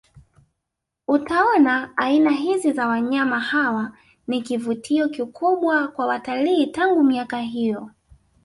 Utaona aina hizi za wanyama hawa ni kivutio kikubwa kwa watalii tangu miaka hiyo